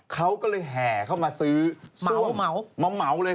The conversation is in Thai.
เขาก็เลยแห่เข้ามาซื้อเหมามาเหมาเลย